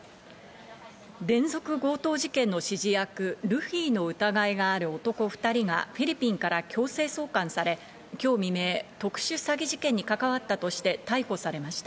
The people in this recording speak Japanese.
連続強盗事件の指示役ルフィの疑いがある男２人がフィリピンから強制送還され、今日未明、特殊詐欺事件に関わったとして逮捕されました。